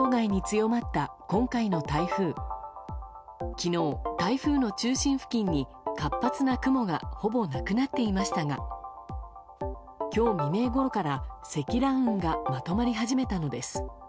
昨日、台風の中心付近に活発な雲が、ほぼなくなっていましたが今日未明ごろから積乱雲がまとまり始めたのです。